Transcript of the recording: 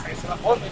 bom itu itu itu